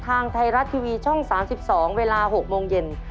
ทางไทยรัฐทีวีช่อง๓๒เวลา๖โมงเย็น